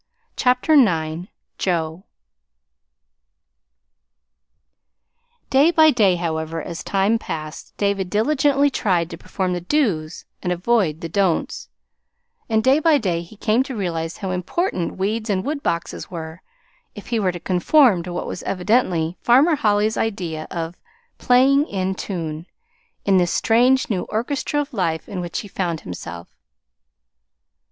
CHAPTER IX JOE Day by day, however, as time passed, David diligently tried to perform the "dos" and avoid the "don'ts"; and day by day he came to realize how important weeds and woodboxes were, if he were to conform to what was evidently Farmer Holly's idea of "playing in, tune" in this strange new Orchestra of Life in which he found himself.